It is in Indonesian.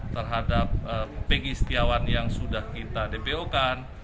terhadap pegi setiawan yang sudah kita dpo kan